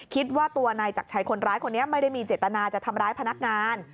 คิดว่าตัวนายจักรชัยคนร้ายคนนี้ไม่ได้มีเจตนาจะทำร้ายพนักงาน